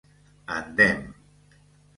Endem